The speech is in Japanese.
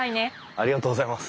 ありがとうございます。